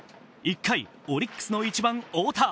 １回、オリックスの１番・太田。